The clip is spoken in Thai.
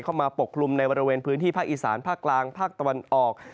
ปกคลุมในบริเวณพื้นที่ภาคอีสานภาคกลางภาคตะวันออก